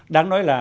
đáng nói là